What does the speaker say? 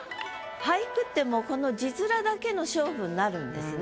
俳句ってもうこの字面だけの勝負になるんですね。